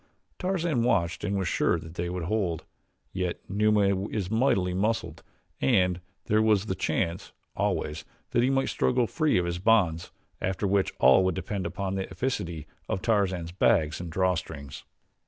Tarzan watched and was sure that they would hold, yet Numa is mightily muscled and there was the chance, always, that he might struggle free of his bonds after which all would depend upon the efficacy of Tarzan's bags and draw strings.